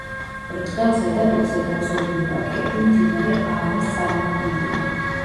ბრტყელ ზედაპირზე გაწოლილი ვაკეები მდინარე აარეს წარმოქმნილია.